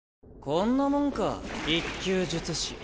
こんなもんか１級術師。